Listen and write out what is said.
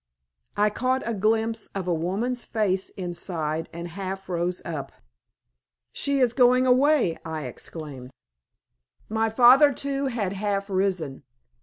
I caught a glimpse of a woman's face inside, and half rose up. "She is going away!" I exclaimed. My father, too, had half risen.